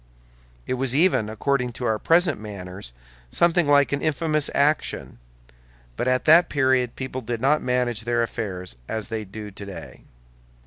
It was even, according to our present manners, something like an infamous action; but at that period people did not manage affairs as they do today.